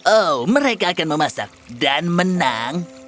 oh mereka akan memasak dan menang